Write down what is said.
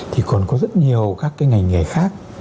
thì còn có rất nhiều các cái ngành nghề khác